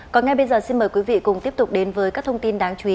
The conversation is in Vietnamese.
còn ngay bây giờ xin mời quý vị cùng tiếp tục đến với các thông tin đáng chú ý